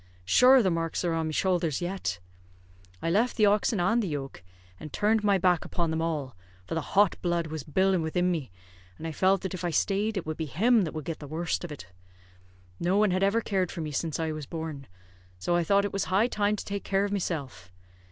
Shure the marks are on me showlthers yet. I left the oxen and the yoke, and turned my back upon them all, for the hot blood was bilin' widin me; and I felt that if I stayed it would be him that would get the worst of it. No one had ever cared for me since I was born, so I thought it was high time to take care of myself.